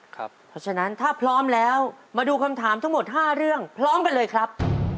เพราะฉะนั้นถ้าพร้อมแล้วมาดูคำถามทั้งหมด๕เรื่องพร้อมกันเลยครับ